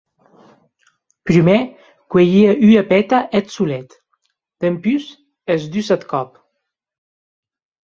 Prumèr cuelhie ua peta eth solet, dempús es dus ath còp.